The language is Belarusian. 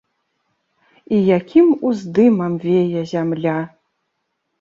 І якім уздымам вее зямля!